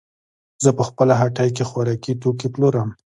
زه په خپله هټۍ کې خوراکي توکې پلورم.